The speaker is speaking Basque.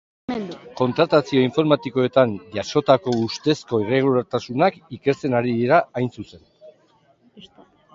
Kontratazio informatikoetan jasotako ustezko irregulartasunak ikertzen ari dira, hain zuzen.